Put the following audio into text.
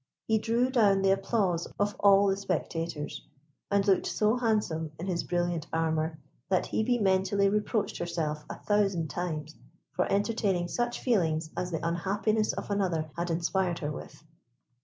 He drew down the applause of all the spectators, and looked so handsome in his brilliant armour, that Hebe mentally reproached herself a thousand times for entertaining such feelings as the unhappiness of another had inspired her with.